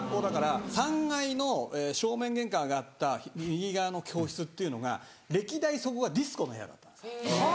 ３階の正面玄関上がった右側の教室っていうのが歴代そこがディスコの部屋だったんです。